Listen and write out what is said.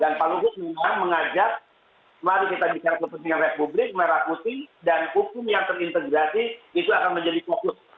dan pak luhus memang mengajak mari kita bicara kepentingan republik merakuti dan hukum yang terintegrasi itu akan menjadi fokus